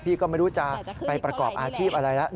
ก็ไม่รู้จะไปประกอบอาชีพอะไรแล้ว